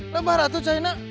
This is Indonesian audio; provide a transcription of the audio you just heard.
lebah ratu cahina